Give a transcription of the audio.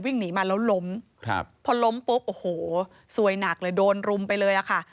หนีมาแล้วล้มครับพอล้มปุ๊บโอ้โหซวยหนักเลยโดนรุมไปเลยอะค่ะ